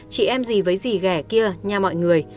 chị em gì với dì ghẻ kia nha mọi người